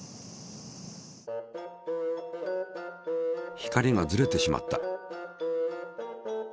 光がずれてしまった。